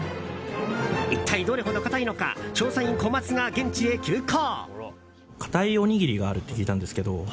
一体、どれほど硬いのか調査員・コマツが現地へ急行！